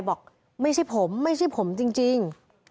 บอกไม่ใช่ผมไม่ใช่ผมจริง